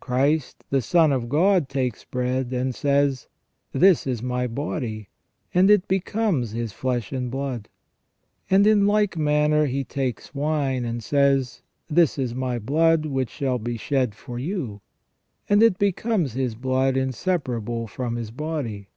Christ, the Son of God, takes bread, and says :" This is my body," and it becomes His flesh and blood ; and in like manner He takes wine, and says :'' This is my blood which shall be shed for you "; and it becomes His blood inse parable from His body.